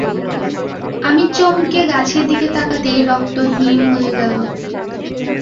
আমি চমকে গাছের দিকে তাকাতেই রক্ত হিম হয়ে গেল।